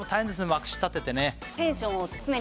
まくし立ててね。